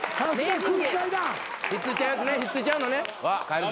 引っついちゃうやつね引っついちゃうのね。